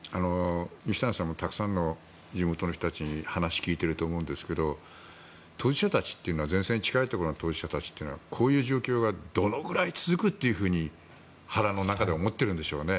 西谷さんもたくさんの地元の人たちに話を聞いてると思うんですけど前線に近いところの当事者たちというのはこの状況がどのぐらい続くと腹の中で思ってるんでしょうね。